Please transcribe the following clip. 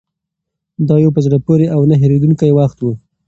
دا یو په زړه پورې او نه هېرېدونکی وخت و.